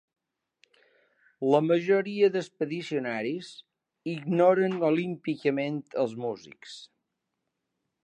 La majoria d'expedicionaris ignoren olímpicament els músics.